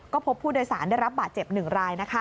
ก็พบผู้โดยสารได้รับบาดเจ็บ๑ราย